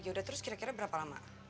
yaudah terus kira kira berapa lama